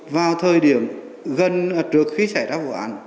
vào thời điểm gần trước khi xảy ra vụ án